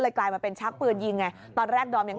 ลั่นเหรอสิ